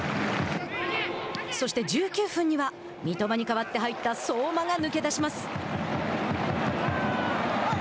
そして、１９分には三笘に代わって入った相馬が抜け出します。